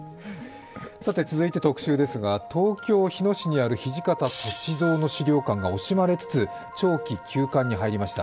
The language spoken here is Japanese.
続いて「特集」ですが東京・日野市にある土方歳三資料館が惜しまれつつ、長期休館に入りました。